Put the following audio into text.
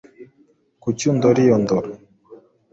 Kuki undora iyo ndoro